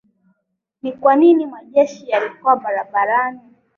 ni kwa nini majeshi yalikuwa barabarani